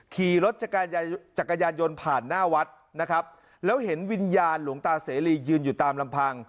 ขี่รถจักรยานยนต์จักรยานยนต์ผ่านหน้าวัดนะครับแล้วเห็นวิญญาณหลวงตาเสรียืนอยู่ตามลำพัง